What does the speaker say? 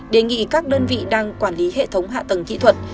đề nghị các đơn vị đang quản lý hệ thống hạ tầng kỹ thuật